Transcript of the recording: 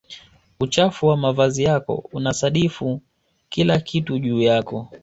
uchafu wa mavazi yako unasadifu kila kitu juu yako